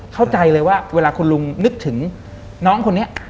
เข้าใจเลยว่าเวลาคุณลุงนึกถึงน้องคนนี้